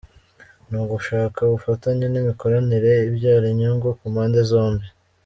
Ni ugushaka ubufatanye n’imikoranire ibyara inyungu ku mpande zombi.